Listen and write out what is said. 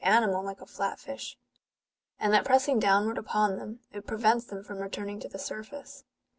457 animal like a flat fish,^^ and that, pressing downward upon them, it prevents them from returning to the surface.